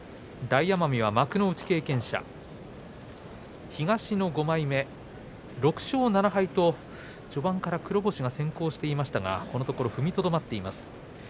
大奄美は幕内経験者東の５枚目６勝７敗と序盤から黒星が先行してましたがこのところ踏みとどまっています。